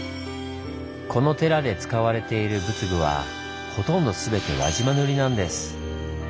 この寺で使われている仏具はほとんど全て輪島塗なんです。